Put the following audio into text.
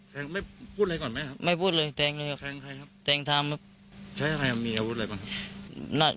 แทงไม่พูดอะไรก่อนไหมครับแทงทำ